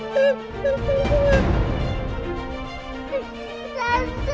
fahri harus tau nih